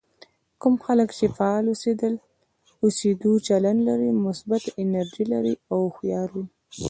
کوم خلک چې فعال اوسېدو چلند لري مثبت، انرژي لرونکي او هوښيار وي.